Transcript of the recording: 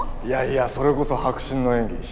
いやいやそれこそ迫真の演技。